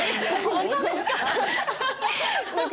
本当ですか！？